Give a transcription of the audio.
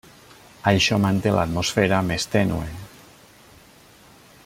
Això manté l'atmosfera més tènue.